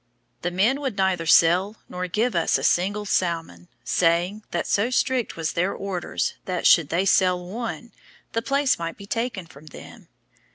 The men would neither sell nor give us a single salmon, saying, that so strict were their orders that, should they sell one, the place might be taken from them.